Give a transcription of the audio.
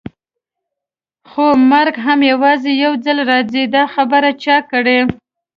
خو مرګ هم یوازې یو ځل راځي، دا خبره چا کړې؟